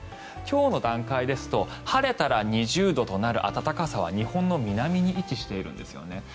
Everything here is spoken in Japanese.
今日の段階ですと晴れたら２０度となる暖かさは日本の南に位置しているんですよね。